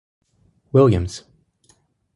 Williams.